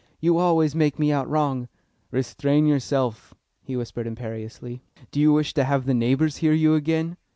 You always make me out wrong." "Restrain yourself!" he whispered imperiously. "Do you wish to have the neighbours hear you again?"